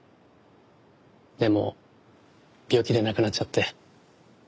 でも病気で亡くなっちゃって。